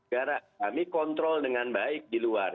gara kami kontrol dengan baik di luar